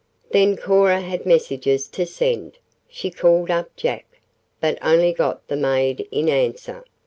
Then Cora had messages to send. She called up Jack, but only got the maid in answer.